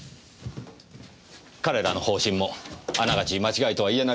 彼らの方針もあながち間違いとは言えないと思いますよ。